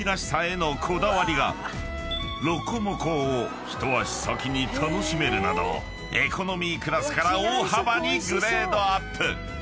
［ロコモコを一足先に楽しめるなどエコノミークラスから大幅にグレードアップ］